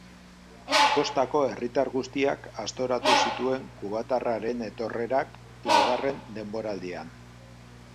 Kostako herritar guztiak aztoratu zituen kubatarraren etorrerak laugarren denboraldian.